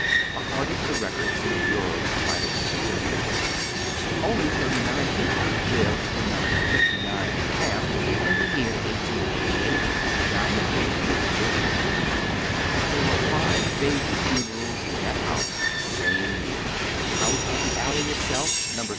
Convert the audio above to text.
According to the records in the Bureau of Vital Statistics only thirty nine people lived in No. 59J in the year 18SS, nine of them little children. Tiiero wem five baby funerals in that house the same year. Out of the alley itself, No.